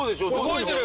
動いてる！